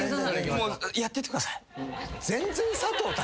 やっててください。